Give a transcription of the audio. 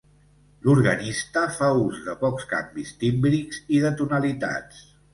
L'organista fa ús de pocs canvis tímbrics i de tonalitats.